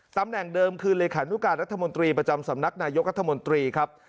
ตำแหน่งเดิมคือเลขานุการรัฐมนตรีประจำสำนักนายกรัฐมนตรีครับ